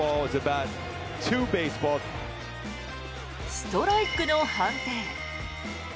ストライクの判定。